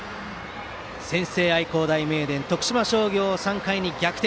先制は愛工大名電徳島商業は３回に逆転。